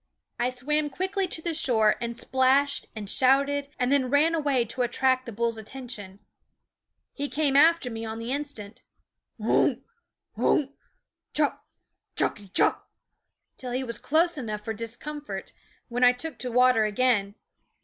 I swam quickly to the shore and splashed and shouted and then ran away to attract the bull's attention. He came after me on the instant unh ! unh ! chock, chockety chock / till he was close enough for discomfort, when I took to water again.